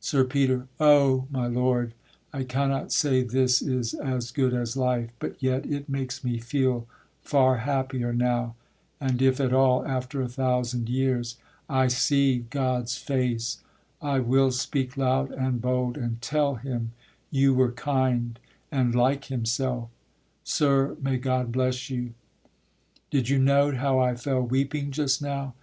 SIR PETER. O! my lord, I cannot say this is as good as life, But yet it makes me feel far happier now, And if at all, after a thousand years, I see God's face, I will speak loud and bold, And tell Him you were kind, and like Himself; Sir, may God bless you! Did you note how I Fell weeping just now?